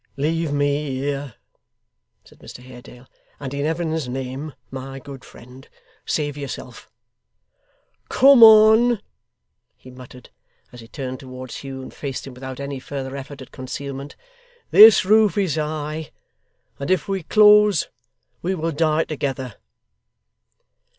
'Leave me here,' said Mr Haredale, 'and in Heaven's name, my good friend, save yourself! Come on!' he muttered, as he turned towards Hugh and faced him without any further effort at concealment: 'This roof is high, and if we close, we will die together!